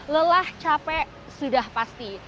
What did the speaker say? lelah capek sudah pasti